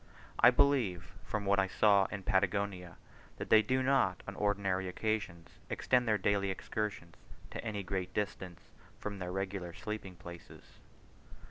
I believe, from what I saw in Patagonia, that they do not on ordinary occasions extend their daily excursions to any great distance from their regular sleeping places.